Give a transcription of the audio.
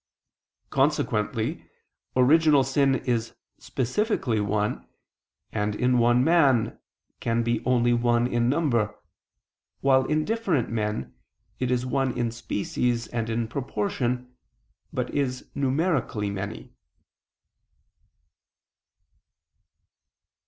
Consequently original sin is specifically one, and, in one man, can be only one in number; while, in different men, it is one in species and in proportion, but is numerically many.